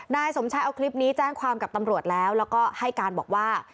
นายสมชายเอาคลิปนี้แจ้งความกับตำรวจแล้วแล้วก็ให้การบอกว่า